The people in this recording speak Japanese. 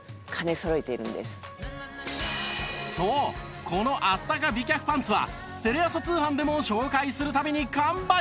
そうこのあったか美脚パンツはテレ朝通販でも紹介する度に完売！